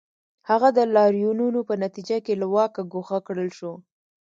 هغه د لاریونونو په نتیجه کې له واکه ګوښه کړل شو.